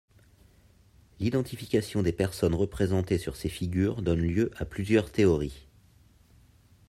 L'identification des personnes représentées sur ces figures donne lieu à plusieurs théories.